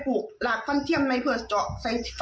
ขณะเดียวกันคุณอ้อยคนที่เป็นเมียฝรั่งคนนั้นแหละ